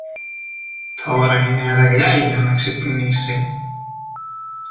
Τώρα είναι αργά για να ξυπνήσει.